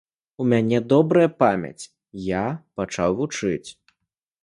У мяне добрая памяць, я пачаў вучыць.